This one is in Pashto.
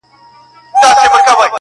له شاتو نه، دا له شرابو نه شکَري غواړي.